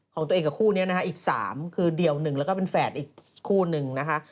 ของตัวเองกับคู่นี้นะคะอีก๓คือเดี่ยวหนึ่งแล้วก็เป็นแฝดอีกคู่หนึ่งนะคะ